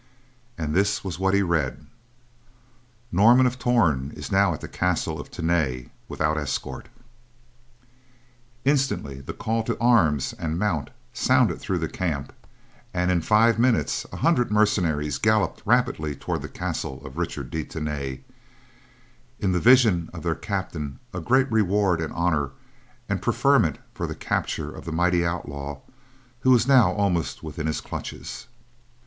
And this was what he read: Norman of Torn is now at the castle of Tany, without escort. Instantly the call "to arms" and "mount" sounded through the camp and, in five minutes, a hundred mercenaries galloped rapidly toward the castle of Richard de Tany, in the visions of their captain a great reward and honor and preferment for the capture of the mighty outlaw who was now almost within his clutches.